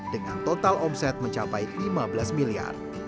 dengan total omset mencapai lima belas miliar